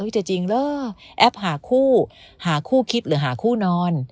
จะจริงเหรอแอปหาคู่หาคู่คิดหรือหาคู่นอน